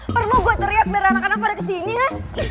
perlu gue teriak dari anak anak pada kesini hah